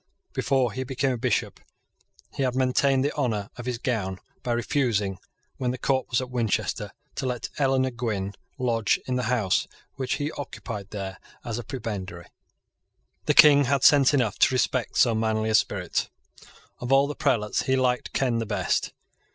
Before he became a Bishop, he had maintained the honour of his gown by refusing, when the court was at Winchester, to let Eleanor Gwynn lodge in the house which he occupied there as a prebendary. The King had sense enough to respect so manly a spirit. Of all the prelates he liked Ken the best.